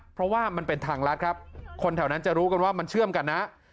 เพราะว่ามันเป็นทางลัดครับคนแถวนั้นจะรู้กันว่ามันเชื่อมกันนะ